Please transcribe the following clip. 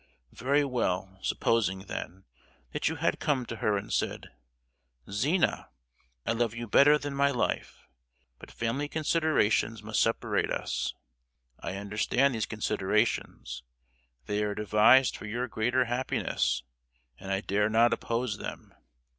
Very well, supposing, then, that you had come to her and said, 'Zina, I love you better than my life, but family considerations must separate us; I understand these considerations—they are devised for your greater happiness, and I dare not oppose them.